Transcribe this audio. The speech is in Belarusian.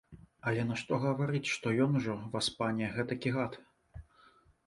Але нашто гаварыць, што ён ужо, васпане, гэтакі гад.